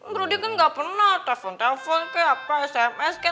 bro d kan gak pernah telepon telepon kek apa sms kek nanya nanya kabar